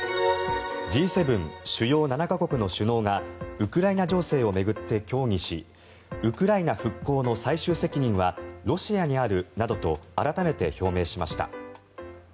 Ｇ７・主要７か国の首脳がウクライナ情勢を巡って協議しウクライナ復興の最終責任はロシアにあるなどと改めて表明しました。